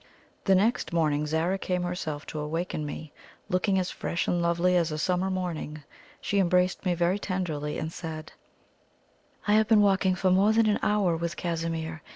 The next morning Zara came herself to awaken me, looking as fresh and lovely as a summer morning. She embraced me very tenderly, and said: "I have been talking for more than an hour with Casimir.